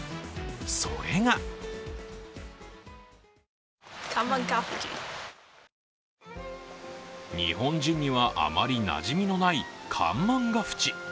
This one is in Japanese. それが日本人にはあまりなじみのない憾満ヶ淵。